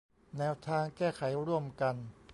แนวทางแก้ไขร่วมกัน